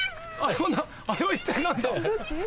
あれは一体何だ。